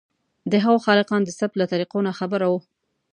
د هغو خالقان د ثبت له طریقو ناخبره وو.